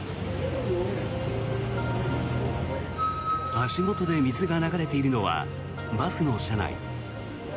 足元で水が流れているのはバスの車内。